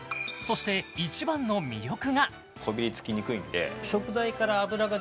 そして一番の魅力がそんなに？